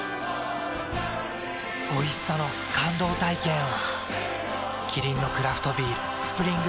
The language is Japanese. おいしさの感動体験を。